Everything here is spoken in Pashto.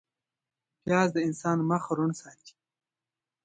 پیاز د انسان مخ روڼ ساتي